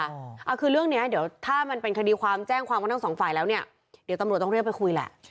เอาคือเรื่องเนี้ยเดี๋ยวถ้ามันเป็นคดีความแจ้งความกันทั้งสองฝ่ายแล้วเนี่ยเดี๋ยวตำรวจต้องเรียกไปคุยแหละ